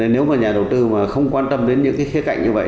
nếu nhà đầu tư không quan tâm đến những khía cạnh như vậy